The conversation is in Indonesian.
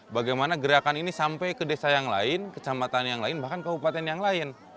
bagaimana gerakan ini sampai ke desa yang lain kecamatan yang lain bahkan kabupaten yang lain